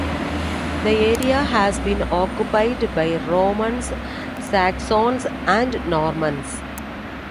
The area has been occupied by Romans, Saxons and Normans.